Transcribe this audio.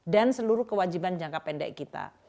dan seluruh kewajiban jangka pendek kita